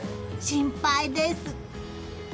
心配です。